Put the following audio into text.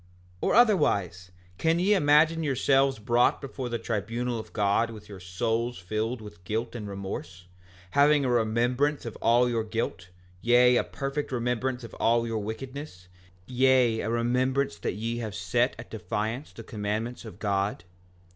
5:18 Or otherwise, can ye imagine yourselves brought before the tribunal of God with your souls filled with guilt and remorse, having a remembrance of all your guilt, yea, a perfect remembrance of all your wickedness, yea, a remembrance that ye have set at defiance the commandments of God?